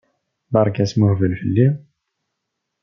Berka asmuhbel fell-i!